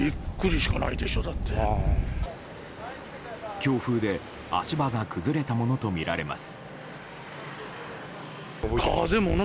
強風で足場が崩れたものとみられます。